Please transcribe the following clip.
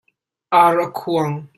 Ar a khuang.